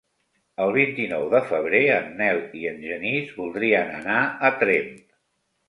El vint-i-nou de febrer en Nel i en Genís voldrien anar a Tremp.